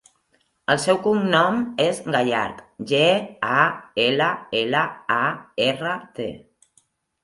El seu cognom és Gallart: ge, a, ela, ela, a, erra, te.